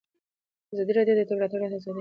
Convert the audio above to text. ازادي راډیو د د تګ راتګ ازادي اړوند مرکې کړي.